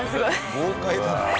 豪快だね。